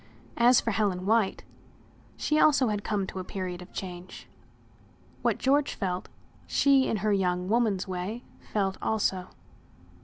As for Helen White, she also had come to a period of change. What George felt, she in her young woman's way felt also.